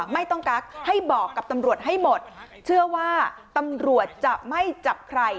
ไม่ต้องกักให้บอกกับตำรวจให้หมดเชื่อว่าตำรวจจะไม่จับใคร